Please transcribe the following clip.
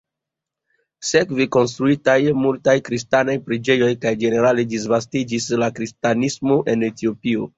Sekve konstruiĝis multaj kristanaj preĝejoj kaj ĝenerale disvastiĝis la kristanismo en Etiopio.